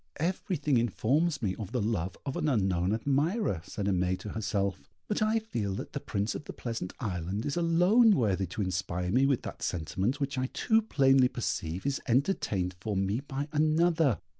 "Everything informs me of the love of an unknown admirer," said Aimée to herself; "but I feel that the Prince of the Pleasant Island is alone worthy to inspire me with that sentiment which I too plainly perceive is entertained for me by another.